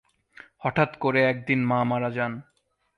হঠাৎ করে একদিন মা মারা যান।